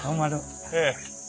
ええ。